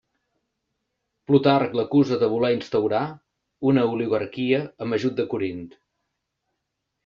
Plutarc l'acusa de voler instaurar una oligarquia amb ajut de Corint.